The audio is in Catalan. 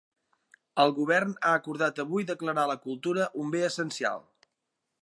El Govern ha acordat avui declarar la cultura un bé essencial.